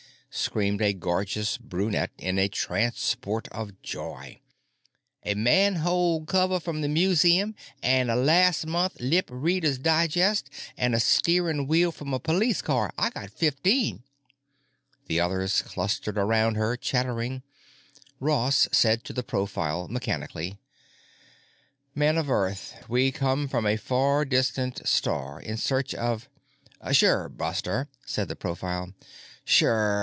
screamed a gorgeous brunette in a transport of joy. "A manhole cover from the museum an' a las' month Lipreaders Digest an' a steering wheel from a police car! I got fifteen!" The others clustered about her, chattering. Ross said to the profile mechanically: "Man of Earth, we come from a far distant star in search of——" "Sure, Buster," said the profile. "Sure.